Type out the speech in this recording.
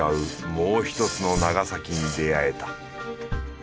もう１つの長崎に出会えた。